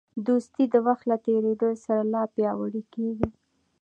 دوستي د وخت له تېرېدو سره لا پیاوړې کېږي.